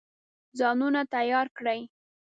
ځانونه تیار کړي.